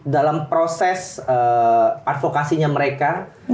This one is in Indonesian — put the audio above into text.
dalam proses advokasinya mereka